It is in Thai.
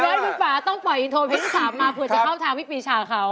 แล้วคุณป่าต้องปล่อยอินโทรเพลงที่๓มาเผื่อจะเข้าทางพี่ปีชาเขา